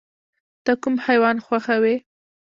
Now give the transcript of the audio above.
ته کوم حیوان خوښوې؟